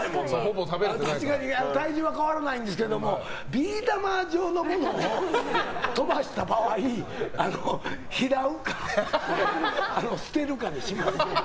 確かに体重は変わらないんですけどビー玉状のものを飛ばした場合拾うか捨てるかします。